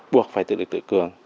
buộc phải tự lực tự cường